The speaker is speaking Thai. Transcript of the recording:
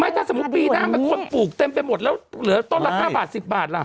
ถ้าสมมุติปีหน้าคนปลูกเต็มไปหมดแล้วเหลือต้นละ๕บาท๑๐บาทล่ะ